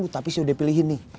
tapi saya udah pilihin nih